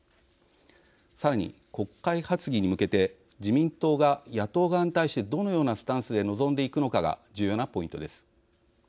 さらに、国会発議に向けて自民党が野党側に対してどのようなスタンスで臨んでいくのかが重要なポイントです。